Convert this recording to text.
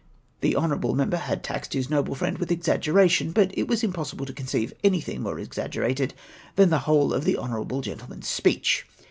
" The honourable member had taxed his noble friend with exaggeration, but it was impossible to conceive anything more exaggerated than the ivhole of the honourable gentle man^s speech.